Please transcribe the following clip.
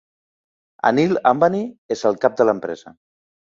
Anil Ambani és el cap de l'empresa.